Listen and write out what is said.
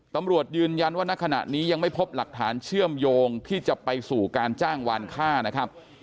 ตำรวจยืนยันว่าณขณะนี้ยังไม่พบหลักฐานเชื่อมโยงที่จะไปสู่การจ้างวานค่านะครับ